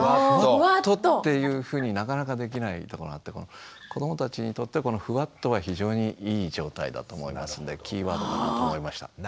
「フワッと」っていうふうになかなかできないところがあって子どもたちにとってはこの「フワッと」は非常にいい状態だと思いますんでキーワードだなと思いました。